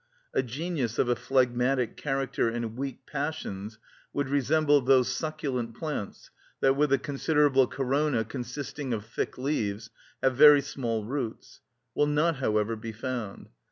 A genius of a phlegmatic character and weak passions would resemble those succulent plants that, with a considerable corona consisting of thick leaves, have very small roots; will not, however, be found.